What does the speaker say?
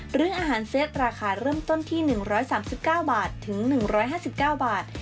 หรืออาหารเซตราคาเริ่มต้นที่๑๓๙บาทถึง๑๕๙บาท